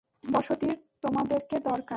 বসতির তোমাদেরকে দরকার।